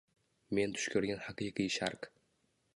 Men tush ko‘rgan haqiqiy Sharq!